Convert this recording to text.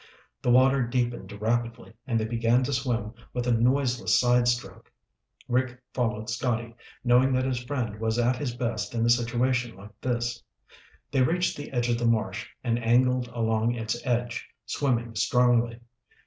The water deepened rapidly and they began to swim with a noiseless side stroke. Rick followed Scotty, knowing that his friend was at his best in a situation like this. They reached the edge of the marsh and angled along its edge, swimming strongly.